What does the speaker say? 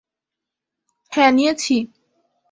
হ্যাঁ, নিয়েছি।